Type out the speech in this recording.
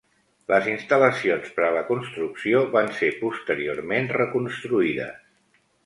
Les instal·lacions per a la construcció van ser posteriorment reconstruïdes.